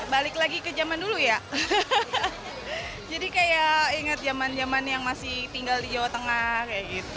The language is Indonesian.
balik lagi ke zaman dulu ya jadi kayak inget zaman zaman yang masih tinggal di jawa tengah kayak gitu